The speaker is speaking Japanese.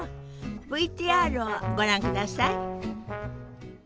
ＶＴＲをご覧ください。